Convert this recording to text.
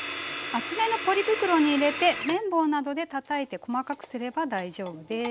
厚めのポリ袋に入れて麺棒などでたたいて細かくすれば大丈夫です。